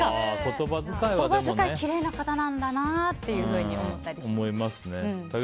言葉遣いきれいな方なんだなと思ったりします。